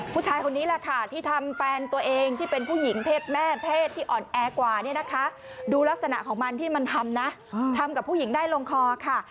ผู้ชายคนนี้แหละค่ะที่ทำแฟนตัวเองที่เป็นผู้หญิงเพศแม่เพศที่อ่อนแอกว่าเนี่ยนะคะดูลักษณะของมันที่มันทำนะทำกับผู้หญิงได้ลงคอค่ะ